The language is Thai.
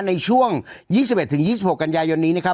ในช่วง๒๑๒๖กันยายนนี้นะครับ